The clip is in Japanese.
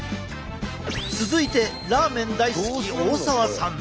続いてラーメン大好き大沢さん。